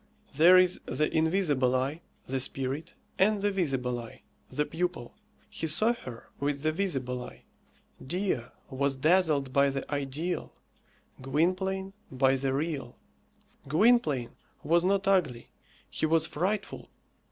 There is the invisible eye, the spirit, and the visible eye, the pupil. He saw her with the visible eye. Dea was dazzled by the ideal; Gwynplaine, by the real. Gwynplaine was not ugly; he was frightful.